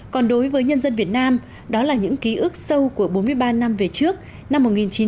còn đối với nhân dân việt nam đó là những ký ức sâu của bốn mươi ba năm về trước năm một nghìn chín trăm bảy mươi